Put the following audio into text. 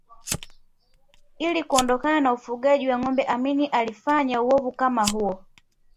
Ili kuondokana na ufugaji wa ngombe Amin alifanya uovu kama huo